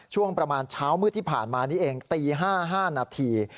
ช่วงประมาณเช้ามืดที่ผ่านมานี้เองตี๕๕นาที